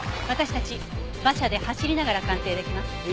私たち馬車で走りながら鑑定できます。